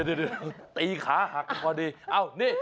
เดี๋ยวตีขาหักพอดี